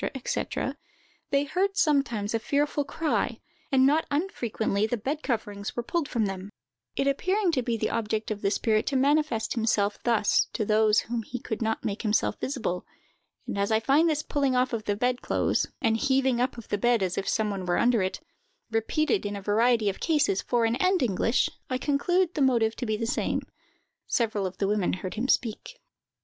&c., they heard sometimes a fearful cry, and not unfrequently the bed coverings were pulled from them; it appearing to be the object of the spirit to manifest himself thus to those to whom he could not make himself visible; and as I find this pulling off the bed clothes, and heaving up the bed as if some one were under it, repeated in a variety of cases, foreign and English, I conclude the motive to be the same. Several of the women heard him speak.